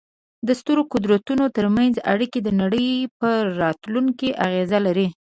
د سترو قدرتونو ترمنځ اړیکې د نړۍ پر راتلونکې اغېز لري.